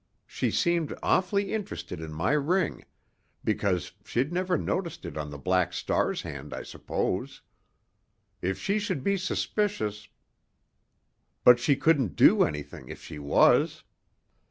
She seemed awfully interested in my ring—because she'd never noticed it on the Black Star's hand, I suppose. If she should be suspicious—— But she couldn't do anything if she was!"